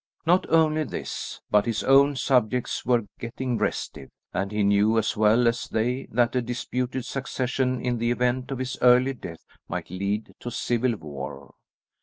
Not only this, but his own subjects were getting restive, and he knew as well as they that a disputed succession in the event of his early death might lead to civil war.